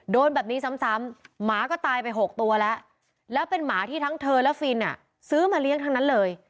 โดนแบบนี้ซ้ำหมาก็ตายไป๖ตัวแล้วแล้วเป็นหมาที่ทั้งเธอและฟินซื้อมาเลี้ยงทั้งนั้นเลย